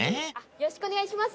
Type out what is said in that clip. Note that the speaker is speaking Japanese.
よろしくお願いします。